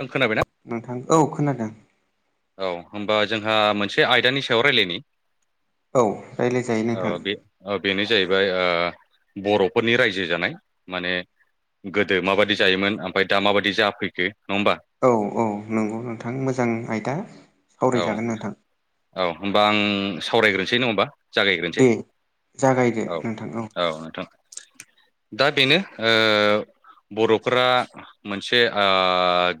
ओं खोनाबायना नोंथां औ खोनादों। औ होमबा जोंहा मोनसे आयदानि सायाव रायलायनि औ रायज्लायजायो औ नोंथां बे औ बेनो जाहैब बे ओ बर'फोरनि रायजो जानाय माने गोदो माबायदि जायोमोन ओमफाय दा माबायदि जाफैखो? नङा होमबा औ औ नंगौ नोंथां मोजां आइथाम औ औ होमबा आं सावरायग्रोनोसै नङा होमबा? जागायग्रोनोसै दे जागायदो नोंथां औ औ-औ नोंथां दा बेनो बर'फोरा मोनसे आ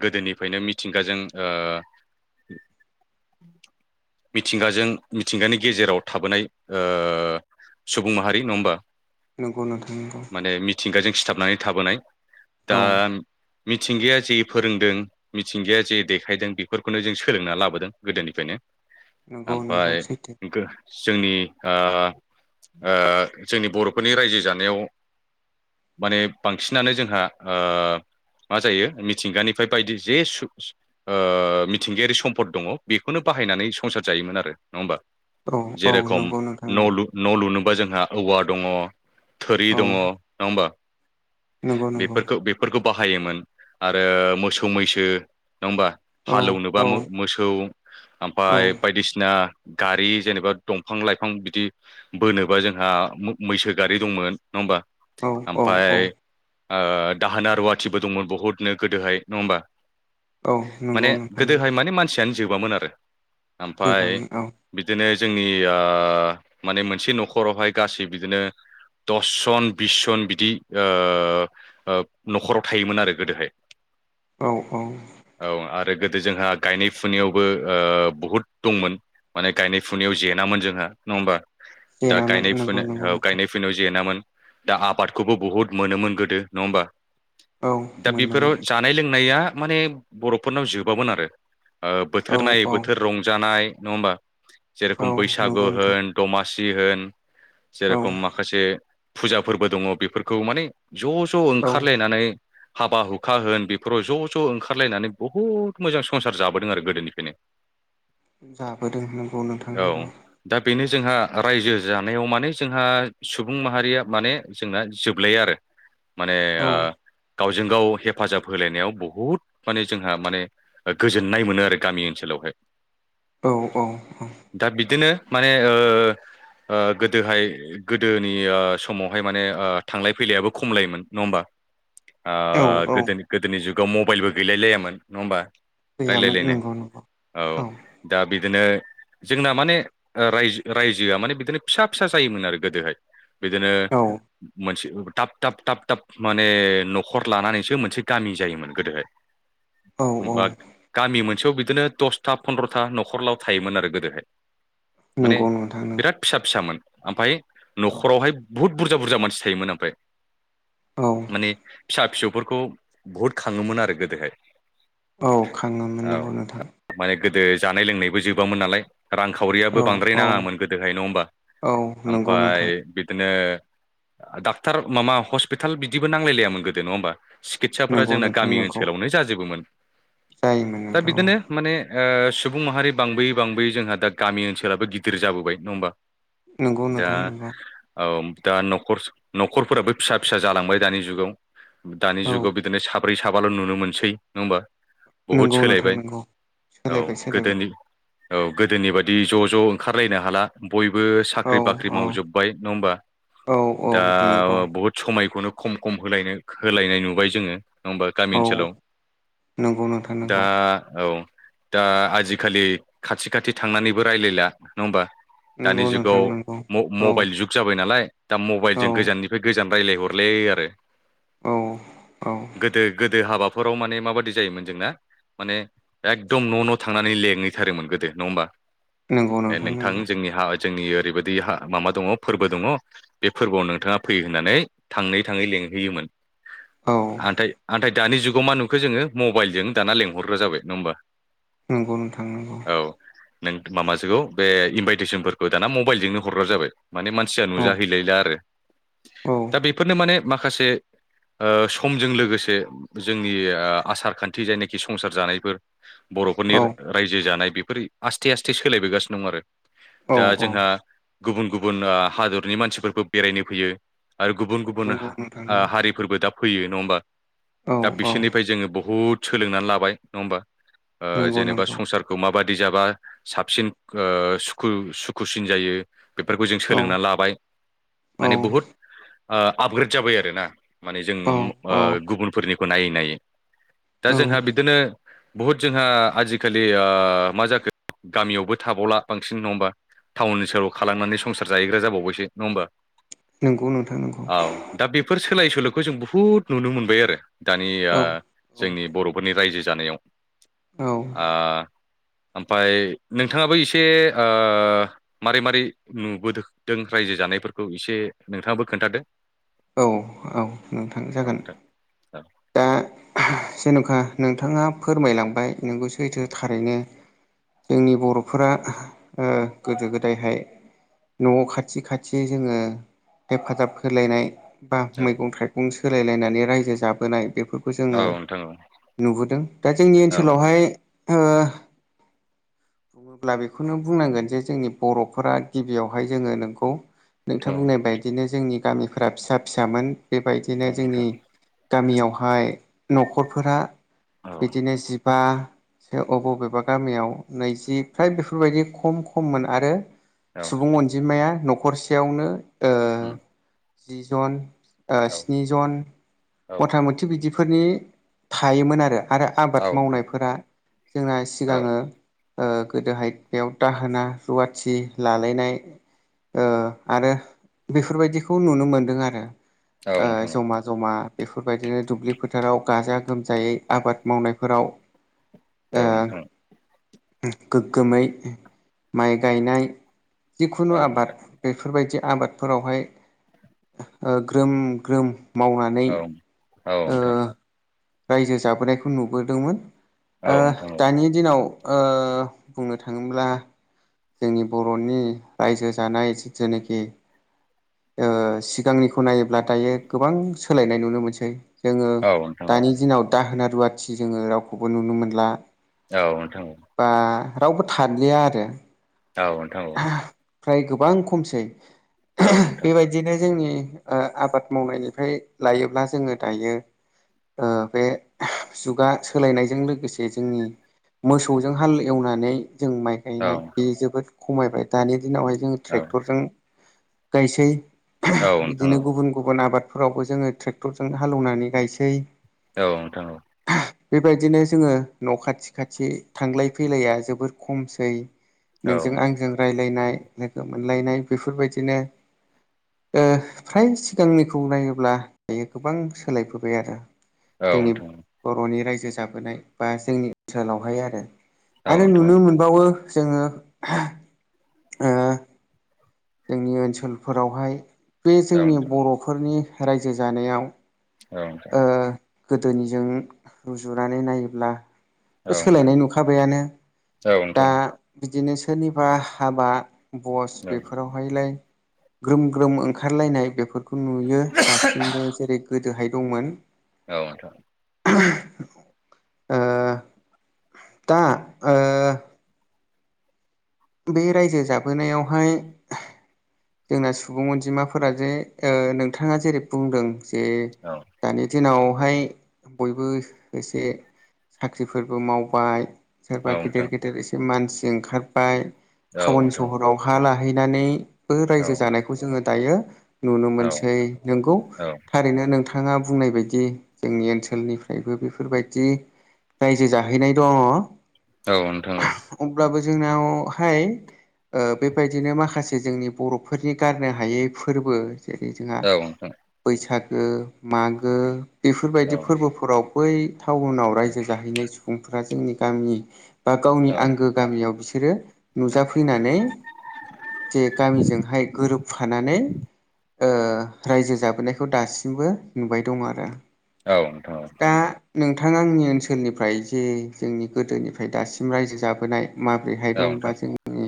गोदोनिफ्रायनो मिथिंगाजों [inaudible] मिथिंगाजों मिथिंगानि गेजेराव थाबोनाय ओ सुबुं माहारि नङा होमबा? नंगौ नोंथां नंगौ माने मिथिंगाजों सिथाबनानै थाबोनाय दा औ मिथिंगाया जे फोरोंदों मिथिंगाया जे देखायदों बेफोरखौनो जों सोलोंना लाबोदों गोदोनिफ्रायनो नंगौ नंगौ ओमफ्राय सैथो जोंनि आ-आ जोंनि बर'फोरनि रायजो जानायाव माने बांसिनानो जोंहा मा जायो मिथिंगानिफ्राय बायदि जे सु मिथिंगायारि सम्पद दङ बेखौनो बाहायनानै संसार जायोमोन आरो नङा होमबा? औ जे औ रखम नंगौ नोंथां नंगौ न'लु न' लुनो जोंहा औवा दङ थोरि औ दङ नङा होमबा? नंगौ नंगौ बेफोरखौ बेफोरखौ बाहायोमोन आरो मोसौ मैसो नङा होमबा औ हाल एवनोबा औ मोसौ ओमफ्राय औ बायदिसिना गारि जेनेबा दंफां लाइफां बिदि बोनोबा जोंहा मैसो गारि दंमोन। नङा होमबा? औ औ औ ओमफ्राय दाहोना रुवाथिबो दंमोन बहुतनो गोदोहाय नङा होमबा? औ नंगौ माने नोंथां गोदोहाय मान [unintelligible] जोबामोन ओमफाय जोबामोन औ बिदिनो जोंनि आ माने मोनसे न'खरावहाय गासै बिदिनो दसजन बिस जन बिदि न'खराव थायोमोन आरो गोदोहाय औ औ औ गोदो जोंहा गायनाय फुनायावबो ओ बहुद दंमोन माने गायनाय फुनायाव जेेनामोन जोंहा नङा होमबा दा जेेनामोन गायनाय नंगौ फुनाय नंगौ औ नोंथां गायनाय फुनायाव जेेनामोन दा आबादखौबो बहुत मोनोमोन गोदो नङा होमबा औ दा मोनोमोन बेफोराव जानाय लोंनाया माने बर'फोरनाव जोबामोन आरो ओ औ बोथोर नायै औ बोथोर रंजानाय नङा होमबा जे औ रखम बैसागु नंगौ नोंथां होन दमा सि होन औ जेरखम माखासे फुजा फोरबो दङ बेफोरखौ माने ज' ज' औ ओंखारलायनानै हाबा हुखा होन बेफोराव ज' ज' ओंखारलायनानै बहुत मोजां संसार जाबोदों आरो गोदोनिफ्रायनो जाबोदों नंगौ नोंथां नंगौ औ दा बेनो जोंहा रायजो जानायाव माने जोंहा सुबुं माहारिया माने जोंना जोबलायो आरो माने औ गावजों गाव हेफाजाब होलायनायाव बहुद माने जोंहा माने गोजोननाय मोनो आरो गामि ओनसोलावहाय औ-औ-औ दा बिदिनो माने ओ गोदोहाय गोदोनि समावहाय माने थांलाय फैलायाबो खमलायोमोन नङा होमबा औ ओ औ गोदो गोदोनि जुगाव मबाइलबो गैलायलायामोन नङा होमबा गैयामोन रायलायलायनो नंगौ नंगौ औ दा बि दिनो जोंना माने राय रायजोआ माने बिदिनो फिसा फिसा जायोमोन आरो गोदोहाय बिदिनो औ मोनसे थाब थाब थाब माने न'खर लानानैसो मोनसे गामि जायोमोन गोदोहाय औ औ बाद बे मोनसेयाव बिदिनो दसथा फन्द्र'था न'खरलाव थायोमोन आरो गोदोहाय माने नंगौ नोंथां नंगौ बिराद फिसा फिसामोन ओमफ्राय औ न'खरावहाय बुहुद बुरजा बुरजा मानसि थायोमोन ओमफ्राय औ माने फिसा फिसौ फोरखौ बुहुद खाङोमोन आरो गोदोहाय औ खाङोमोन औ नंगौ नोंथां माने गोदो जानाय लोंनायबो जोबामोन नालाय रांखावरियाबो औ बांद्राय औ नाङामोन गोदोहाय नङा होमबा औ नंगौ ओमफाय नोंथां बिदिनो डाक्टार माबा हस्पिताल बिदिबो नांलायलायामोन गोदो नङा होमबा सिकितसाफोरा नंगौ जोंना नोंथां गामि नोंगौ ओनसोलावनो जाजोबोमोन जायोमोन दा नोंथां औ बिदिनो माने ओ सुबुं माहारि बांबोयै बांबोयै जोंहा दा गामि ओनसोबो गिदिर जाबोबाय नङा होमबा नंगौ दा नोंथां नंगौ औ दा नखर न'खरफोराबो फिसा फिसा जालांबाय दानि जुगाव दानि औ जुगाव बिदिनो साब ब्रै साबाल' नुनो मोनसै नङा होमबा बहुद नंगौ नोंथां सोलायबाय नंगौ औ सोलायबाय सोलायबाय गोदोनि औ गोदोनि बायदि ज' ज' ओंखारलायनो हाला बयबो औ साख्रि बाख्रि औ मावजोबबाय नङा होमबा औ औ दा नंगौ बुहुद समायखौनो खम खम होलायनो होलायनाय नुबाय जोङो नङा होमबा गामि औ ओनसोलाव नंगौ नोंथां दा नंगौ औ दा आजिखालि खाथि खाथि थांनानैबो रायलायला नङा होमबा दानि नंगौ नोंथां जुगाव नंगौ औ मबाइल जुग जाबाय नालाय दा औ मबाइलजों गोजाननिफ्राय गोजान रायलायहरलाय लायो आरो औ औ गोदो गोदो हाबाफोराव माने माबादि जायोमोन जोंना माने एकदम न' न' थांनानै लेंहैथारोमोन गोदो नङा होमबा नंगौ ए नोंथां नंगौ जोंनि हा जोंनि ओरैबादि माबा दङ फोरबो दङ बे फोरबोआव नोंथाङा फैयो होननानै थाङै थाङै लें लिंहैयोमोन औ नाथाय दानि जुगाव मा नुखो जोङो मबाइल जों दाना लेंहरग्रा जाबाय नङा होमबा नंगौ नोंथां नंगौ औ नों माबासोखौ बे इनभाइटेसनफोरखौ दाना मबाइलजोंनो हरग्रा जाबाय माने मानसिया औ नुजाहैलायला आरो औ दा बेफोरनो माने माखासे ओ समजों लोगोसे जोंनि आसार खान्थि जायनाखि संसार जानायफोर बर'फोरनि औ रायजो जानाय बेफोर आस्थे आस्थे सोलायबोगासिनो दं आरो औ दा औ जोंहा गुबुन गुबुन हादरनि मानसिफोरबो बेरायनो फैयो आरो गुबुन गुबुन नंगौ नोंथां नंगौ हारिफोरबो दा फैयो नङा होमबा औ दा औ बिसोरनिफ्राय जोङो बहुद सोलोंनानै लाबाय नङा होमबा ओ नंगौ जेनेबा नंगौ संसारखौ माबाददि जाबा साबसिन सुुखु सुखुसिन जायो बेफोरखौ जों औ सोलोंनानै लाबाय औ माने बुहुद ओ आपग्रेड जाबाय आरोना माने जों औ ओ गुबुनफोरनिखौ नायै नायै दा औ जोंहा बिदिनो बहुद जोंहा आजिखालि ओ मा जाखो गामियावबो थाबावला बांसिन नङा होमबा टाउन सहराव खारलांनानै संसार जाहैग्रा जाबावबायसो नङा होमबा नंगौ नोंथां नंगौ औ दा बेफोर सो सोलाय सोल'खौ जों बुहुद नुनो मोनबाय आरो दानिया औ जोंनि औ बर'फोरनि रायजो जानायाव औ ओमफ्राय नोंथाङाबो एसे ओ मारै मारै नुबोदों राय रायजो जानायफोरखौ एसे नोंथाङाबो खोन्थादो औ औ नोंथां औ जागोन नोंथां औ दा जेन'खा नोंथाङा फोरमायलांबाय नोंगौ सैथो थारैनो जोंनि बरफोरा गोदो गोदायहाय नआव खाथि खाथि जोङो हेफाजाब होलायनाय बा औ मैगं थाइगं सोलायलायनानै रायजो जाबोनाय बेफोरखौ जोङो नोंथां औ नुबोदों दा जोंनि औ ओनसोलावहाय ओ [inaudible] बुङोब्ला बेखौनो बुंनांगोन जे जोंनि बरफोरा गिबियावहाय जोङो नोंगौ नोंथां औ बुंनाय बायदिनो जोंनि गामिफोरा फिसा फिसामोन औ बेबायदिनो जोंनि नोंथां गामियावहाय नखरफोरा औ बिदिनो जिबा ज अबबेबा गामियाव नैजि फ्राय बेफोरबायदि खम खममोन आरो औ सुबुं अनजिमाया नखरसेयावनो ओ उम जि जन औ स्निजन औ मथा मथि बिदिफोरनि थायोमोन आरो आरो औ आबाद नोंथां मावनायफोरा जोंना औ सिगाङो गोदोहाय बेयाव दाहोना रुवाथि लालायनाय आरो बेफोरबायदिखौ नुनो मोनदों आरो औ नोंथां जमा जमा बेफोरबायदिनो दुब्लि फोथाराव गाजा गोमजायै आबाद मावनायफोराव ओ औ गोग्गोमै माइ गायनाय औ जिखुनु नोंथां आबाद बेफोरबायदि आबादफोरावहाय ग्रोम ग्रोम मावनानै औ ओ नोंथां रायजो जाबोनायखौ नुबोदोंमोन औ नोंथां दानि दिनाव ओ बुंनो थाङोब्ला जोंनि बरनि रायजो जानाय जि जेनोखि सिगांनिखौ नायोब्ला दायो गोबां सोलायनाय नुनो मोनसै जोङो औ नोंथां दानि दिनाव दाहोना रुवाथि जोङो रावखौबो नुनो मोनला औ नोंथांमोन बा रावबो थादलिया आरो औ नोंथां फ्राय गोबां खमसै औ नोंथां। बेबायदिनो जोंनि आबाद मावनायनिफ्राय लायोब्ला जोङो दायो बे जुगा सोलायनायजों लोगोसे जोंनि मोसौजों हाल एवनानै जों माइ गायनाय बे जोबोद खमायबाय दानि दिनावहाय जोंङ टेक्टरजों गायसै बिदिनो गुबुन गुबुन आबाद फोरावबो जोङो टेक्टरजों हालेवनानै गायसै औ नोंथां बेबायदिनो जोङो न खाथि खाथि थांलाय फैलाया जोबोर खमसै नोंजों आंजों राय्लायनाय लोगो मोनलायनाय बेफोरबायदिनो फ्राय सिगांनिखौ नायोब्ला दायो गोबां सोलायबोबाय आरो जोंनि बरनि रायजो जाबोनाय बा जोंनि ओनसोलावहाय आरो आरो नुनो औ मोनबावो जोङो जोंनि ओनसोलफोरावहाय बे जोंनि नोंथां बरफोरनि रायजो जानायाव औ दे ओ गोदोनिजों रुजुनानै नायोब्ला औ नोंथां सोलायनाय नुखाबायानो औ दा नोंथां बिदिनो सोरनिबा हाबा बस औ बेफोरावहायलाय ग्रोम ग्रोम ओंखारलायनाय बेफोर बेखौ नुयो दासिमबो जेरै गोदोहाय दंमोन औ ओ दा ओ बे रायजो जाबोनायावहाय जोंना सुबुं अनजिमाफोरा जे ओ नोंथाङा जेरै बुंदों जे औ दानि दिनाव बेवहाय बयबो एसे साख्रिफोरबो मावबाय सोरबा औ गेदेर नोंथां गेदेर एसे मानसि ओंखारबाय औ टाउन नोंथां सहराव हा ला थाहैनानैबो औ रायजो नोंथां जानायखौ जोङो दायो नुनो औ मोनसै नंगौ औ थारैनो नोंथाङा बुंनाय बायदि जोंनि ओनसोलनिफ्रायबो बेफोरबायदि रायजो जाहैनाय दङ औ नोंथां औ अब्लाबो जोंनावहाय ओ बेबायदिनो माखासे जोंनि बर'फोरनि गारनो हायै फोरबो जेरै जोंहा औ नोंथां औ नोंथां औ बैसाग मागो बेफोरबायदि फोरबोफोराव बै टाउनाव रायजो जाहैनाय सम सुबुंफोरा जोंनि गामिनि बा गावनि आंगो गामियाव बिसोरो नुजाफैनानै जे गामिजोंहाय गोरोबफानानै ओ रायजो जाबोनायखौ दासिमबो नुबाय दं आरो नोंथां दा नोंथाङा आंनि ओनसोलनिफ्राय जे जोंनि गोदोनिफ्राय दासिम रायजो जाबोनाय माब्रैहाय दंबा जोंनि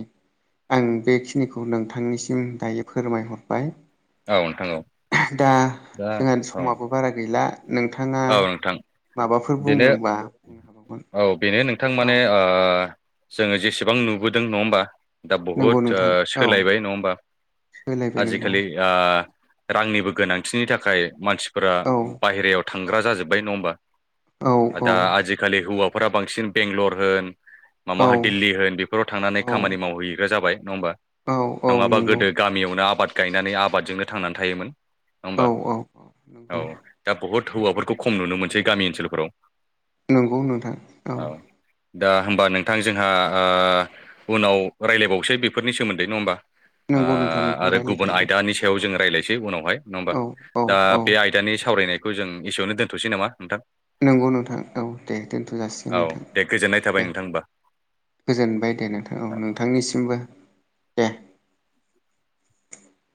आं बेखिनिखौ खौ नोंथांनिसिम दायो फोरमायहरबाय औ नोंथां औ दा दा जोंहा औ समाबो बारा गैला नोंथाङा औ नोंथां माबाफोर बेनो बुङोबा औ बेनो नोंथां माने ओ जोङो जेसेबां नुबोदों नङा होमबा दा बहुद नंगौ ओ नोंथां औ सोलायबाय नङा होमबा सोलायबाय नंगौ आजिखालि ओ रांनिबो गोनांथिनि थाखाय मानसिफोरा औ बाहेरायाव थांग्रा जाजोब्बाय नङा होमबा? औ औ दा आजिखालि हौवाफोरा बांसिन बेंगलर होन माबा औ होन दिल्ली होन बेफोराव थांनानै औ खामानि मावहैग्रा जाबाय। नङा होमबा? औ औ नङाबा नंगौ गोदो गामियावनो आबाद गायनानै आबादजोंनो थांनानै थायोमोन नङा होमबा? औ औ औ। नंगौ दा बुहुत हौवाफोरखौ खम नुनो मोनसै गामि ओनसोलफोराव। नंगौ नोंथां औ‌ औ दा होमबा नोंथां जोंहा ओ उनाव रायज्लायबावसै बेफोरनि सोमोन्दै। नङा होमबा? नंगौ नोंथां ओ नोंखौ आरो गुबुन आइ रायज्लायजायो नि सायाव जोङो रायलायनोसै उनावहाय नङा होमबा? औ औ दा औ बे आयदानि सा सावरायनायखौ जों एसेयाव दोनथ'सै नामा नोंथां? नंगौ नोंथां औ दे दोनथ'जासिगोन औ नोंथां दे गोजोननाय थाबाय दे। नोंथां होमबा गोजोनबाय दे नोंथां औ नोंथांनिसिमबो दे।